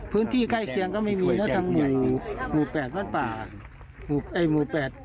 พื้นที่ใกล้เคียงก็ไม่มีนะทั้งหมู่หมู่แปดน้ำป่าวหมู่ไอ้หมู่แปด